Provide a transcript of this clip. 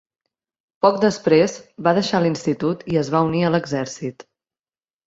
Poc després, va deixar l'institut i es va unir a l'exèrcit.